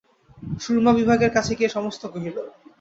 সুরমা বিভার কাছে গিয়া সমস্ত কহিল।